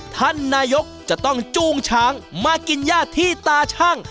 ท่านนายกจะต้องจูงช้างมากินย่าที่ตาชั่ง